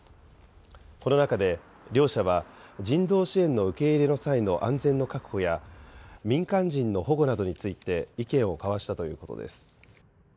この中で、両者は人道支援の受け入れの際の安全の確保や、民間人の保護などについて意見を交わしたということです。